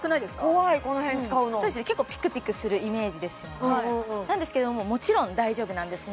怖いこの辺使うのそうですね結構ピクピクするイメージですよねなんですけどももちろん大丈夫なんですね